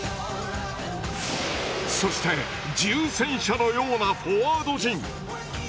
そして重戦車のようなフォワード陣。